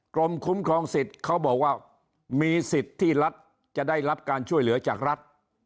กรมคุ้มครองสิทธิ์เขาบอกว่ามีสิทธิ์ที่รัฐจะได้รับการช่วยเหลือจากรัฐ